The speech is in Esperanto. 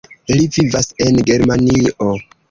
Li vivas en Germanio.